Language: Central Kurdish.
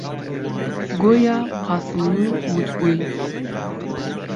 گۆیا قاسملوو گوتبووی: